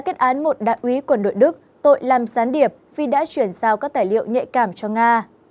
kết án một đại úy quân đội đức tội làm gián điệp vì đã chuyển giao các tài liệu nhạy cảm cho nga